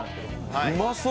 うまそう。